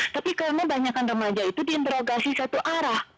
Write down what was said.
tapi karena banyakan remaja itu diinterogasi satu arah